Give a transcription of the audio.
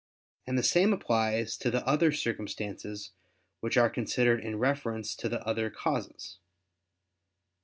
And the same applies to the other circumstances which are considered in reference to the other causes.